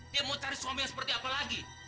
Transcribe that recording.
dia mau cari suami yang seperti apa lagi